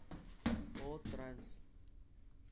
O., transl.